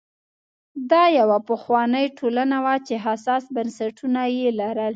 دا یوه پخوانۍ ټولنه وه چې حساس بنسټونه یې لرل